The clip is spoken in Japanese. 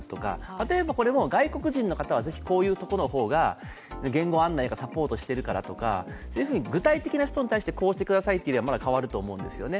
例えばこれも外国人の方が是非こういうところの方が言語案内のサポートしているからとか具体的な人に対してこうしてくださいといえばまだ変わると思うんですね。